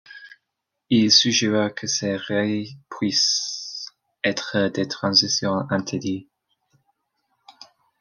Il suggéra que ces raies puissent être des transitions interdites.